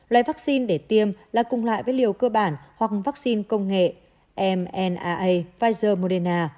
loại vaccine để tiêm là cùng loại với liều cơ bản hoặc vaccine công nghệ